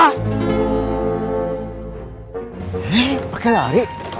eh pakai lari